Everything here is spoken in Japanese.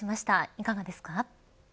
いかがですか。